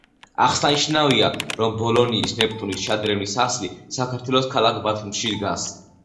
აღსანიშნავია, რომ ბოლონიის ნეპტუნის შადრევნის ასლი, საქართველოს ქალაქ ბათუმში დგას.